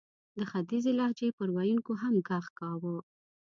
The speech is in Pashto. د ختیځې لهجې پر ویونکو هم ږغ کاوه.